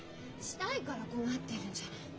したいから困ってるんじゃない。